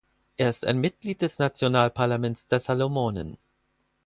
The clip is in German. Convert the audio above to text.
Er ist ein Mitglied des Nationalparlaments der Salomonen.